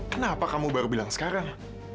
kenapa kamu baru bilang sekarang